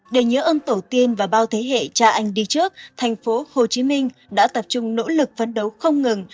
để nhớ ơn tổ tiên và bao thế hệ cha anh đi trước thành phố hồ chí minh đã tập trung nỗ lực phấn đấu không ngừng